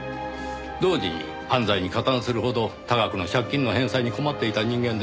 同時に犯罪に加担するほど多額の借金の返済に困っていた人間です。